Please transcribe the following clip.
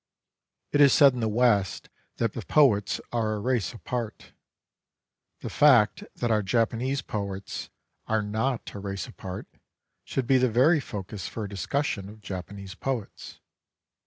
It is said in the West that the poets are a race apart. The fact that our Japanese poets are not a race apart should be the very focus for a discussion of Japanese poets.